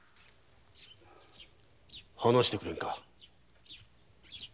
話してくれぬか。